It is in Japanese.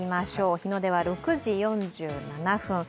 日の出は６時４７分。